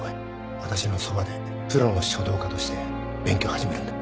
私のそばでプロの書道家として勉強を始めるんだ。